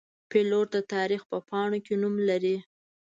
پیلوټ د تاریخ په پاڼو کې نوم لري.